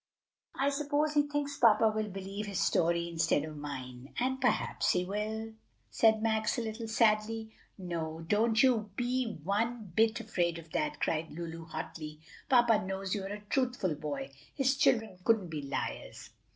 "I suppose he thinks papa will believe his story instead of mine; and perhaps he will," said Max a little sadly. "No; don't you be one bit afraid of that!" cried Lulu, hotly. "Papa knows you're a truthful boy. His children couldn't be liars!"